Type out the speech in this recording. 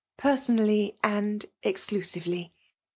*^ Personally and exclusively.''